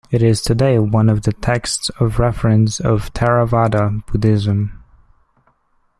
It is today one of the texts of reference of Theravada Buddhism.